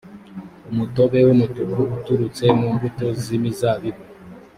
umutobe w’umutuku uturutse mu mbuto z’imizabibu.